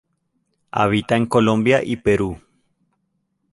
Habita en Colombia y Perú.